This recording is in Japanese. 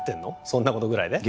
そんなことぐらいで？